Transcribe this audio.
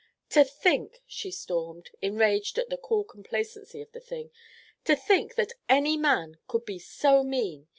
"To think," she stormed, enraged at the cool complacency of the thing, "to think that any man could be so mean.